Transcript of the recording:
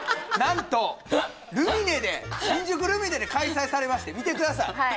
なんと新宿ルミネで開催されまして見てください